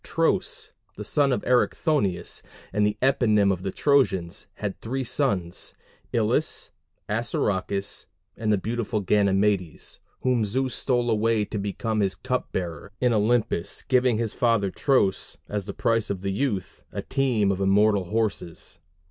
Tros, the son of Erichthonius, and the eponym of the Trojans, had three sons Ilus, Assaracus, and the beautiful Ganymedes, whom Zeus stole away to become his cup bearer in Olympus, giving to his father Tros, as the price of the youth, a team of immortal horses.